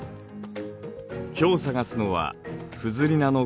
今日探すのはフズリナの化石。